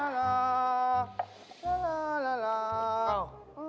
ลาราลาราลาอ้าว